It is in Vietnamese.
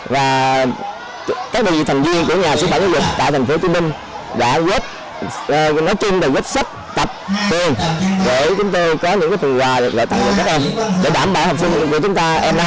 và đây là một việc làm thường xuyên của nhà sư phạm giáo dục việt nam